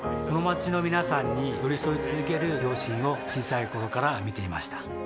この街の皆さんに寄り添い続ける両親を小さい頃から見ていました